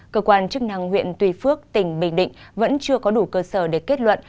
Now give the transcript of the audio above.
cơ quan chức năng huyện tuy phước tỉnh bình định vẫn chưa có đủ cơ sở để kết luận